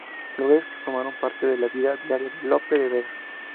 Lugares que formaron parte de la vida diaria de Lope de Vega